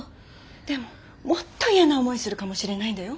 でももっと嫌な思いするかもしれないんだよ。